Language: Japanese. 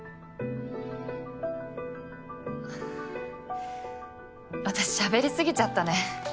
あっ私しゃべり過ぎちゃったね。